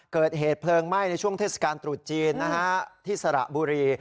เกิดเหตุเพลิงไหม้ในช่วงเทศกาลตรุษจีนที่สระบุรี